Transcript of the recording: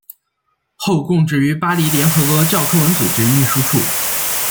后供职于巴黎联合国教科文组织秘书处。